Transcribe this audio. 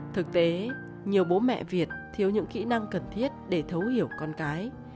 thực tế nhiều bố mẹ việt thiếu những kỹ năng cần thiết để thấu hiểu con cái